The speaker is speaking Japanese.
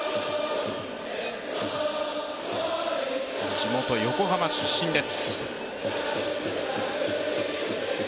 地元・横浜出身です。